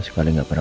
sekali gak pernah